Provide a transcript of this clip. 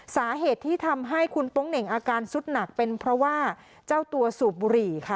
สาเหตุที่ทำให้คุณโป๊งเหน่งอาการสุดหนักเป็นเพราะว่าเจ้าตัวสูบบุหรี่ค่ะ